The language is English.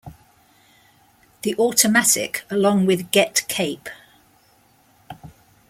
The Automatic along with Get Cape.